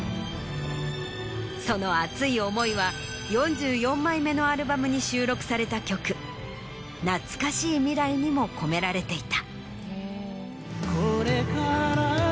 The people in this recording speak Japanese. その熱い思いは４４枚目のアルバムに収録された曲『なつかしい未来』にも込められていた。